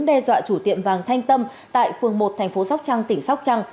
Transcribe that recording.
đe dọa chủ tiệm vàng thanh tâm tại phường một thành phố sóc trăng tỉnh sóc trăng